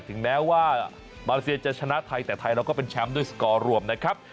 ถึงแม้ว่ามาเลเซียจะชนะไทยแต่ไทยแล้วก็เป็นแชมป์ด้วยสกอร์รวมนะครับ